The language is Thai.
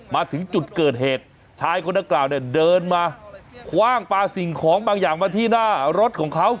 มาถึงจุดเกิดเหตุชายคนนักกล่าวเนี่ยเดินมาคว่างปลาสิ่งของบางอย่างมาที่หน้ารถของเขา